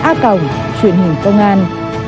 a còng truyền hình công an